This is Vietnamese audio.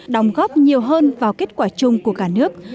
đồng góp nhiều hơn vào kết quả chung của cả nước